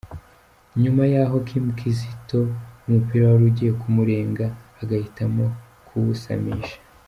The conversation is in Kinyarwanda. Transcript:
nyuma yaho Kim Kizito umupira wari ujyiye kumurenga agahitamo kuwusamisha.